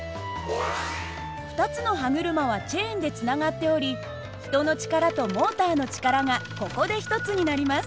２つの歯車はチェーンでつながっており人の力とモーターの力がここで一つになります。